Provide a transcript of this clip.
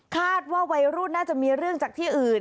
คาดว่าวัยรุ่นน่าจะมีเรื่องจากที่อื่น